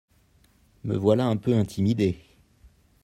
Me voilà un peu intimidé.